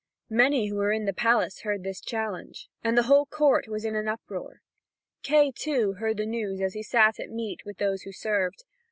Many who were in the palace heard this challenge, and the whole court was in an uproar. Kay, too, heard the news as he sat at meat with those who served.